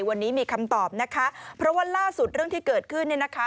วันนี้มีคำตอบนะคะเพราะว่าล่าสุดเรื่องที่เกิดขึ้นเนี่ยนะคะ